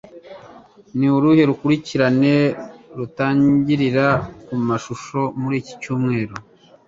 Ni uruhe rukurikirane rutangirira ku mashusho muri iki cyumweru